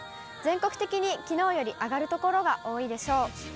全国的にきのうより上がる所が多いでしょう。